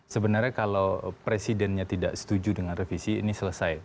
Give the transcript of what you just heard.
sebenarnya kalau presidennya tidak setuju dengan revisi ini selesai